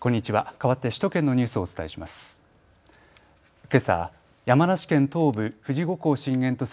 かわって首都圏のニュースをお伝えします。